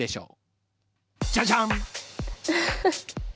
じゃじゃん！